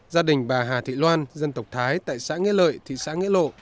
gia đình bà hà thị loan dân tộc thái tại xã nghĩa lợi thị xã nghĩa lộ